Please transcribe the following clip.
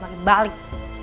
nanti gue balik